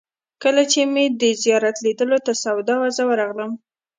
کله چې مې د زیارت لیدلو ته سودا وه، زه ورغلم.